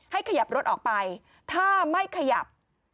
ขยับรถออกไปถ้าไม่ขยับ